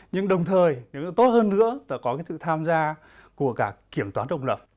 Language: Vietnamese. nhưng đồng thời tốt hơn nữa là có cái sự tham gia của cả kiểm toán độc lập